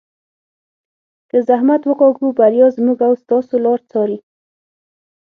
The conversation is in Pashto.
که زحمت وکاږو بریا زموږ او ستاسو لار څاري.